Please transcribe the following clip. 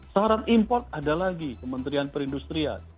saran import ada lagi kementerian perindustria